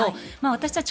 私たち